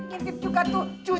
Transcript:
sambil ke situ